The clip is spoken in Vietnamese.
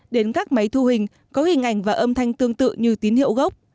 đến các máy thu hình có hình ảnh và âm thanh tương tự như tín hiệu gốc